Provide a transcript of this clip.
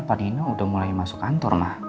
pak nino udah mulai masuk kantor ma